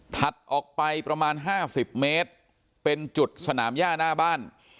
ถัดออกไปประมาณ๕๐เมตรเป็นจุดสนามย่าหน้าบ้าน